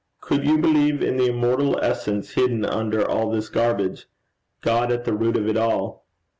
Could you believe in the immortal essence hidden under all this garbage God at the root of it all?